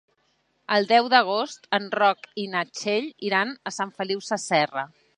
El deu d'agost en Roc i na Txell iran a Sant Feliu Sasserra.